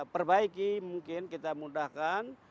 perbaiki mungkin kita mudahkan